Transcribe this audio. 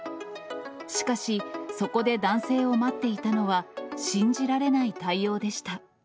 しかし、そこで男性を待っていたのは、信じられない対応でした。